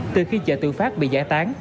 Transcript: từ khi chợ tự phát bị giãi tán